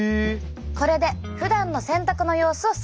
これでふだんの洗濯の様子を再現します。